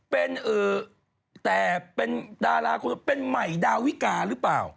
เป็นอือแต่เป็นดาราคนนึงเป็นใหม่ดาวน์วิกาหรือเป่า